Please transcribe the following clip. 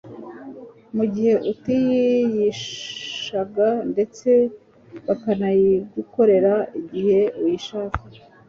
mu gihe utayishaka ndetse bakanayigukorera igihe uyishaka